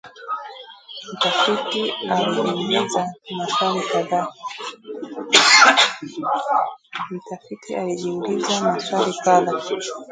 mtafiti alijiuliza maswali kadha